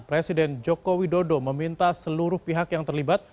presiden joko widodo meminta seluruh pihak yang terlibat